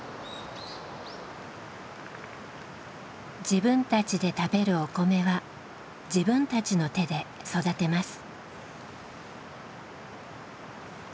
自分たちで食べるお米は自分たちの手で育てます。